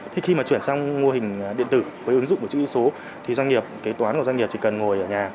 thế khi mà chuyển sang mô hình điện tử với ứng dụng của chữ ký số thì doanh nghiệp kế toán của doanh nghiệp chỉ cần ngồi ở nhà